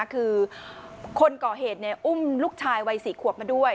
คือคนก่อเหตุอุ้มลูกชายวัย๔ขวบมาด้วย